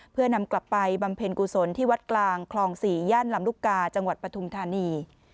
เพื่อนำกลับไปบำเพ็ญกุศลที่วัดกลางคลอง๔ย่านลำลูกกาจังหวัดปฐุมธานี